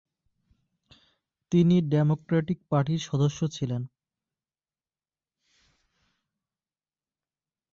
তিনি ডেমোক্র্যাটিক পার্টির সদস্য ছিলেন।